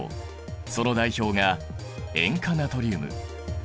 その代表が塩化ナトリウム。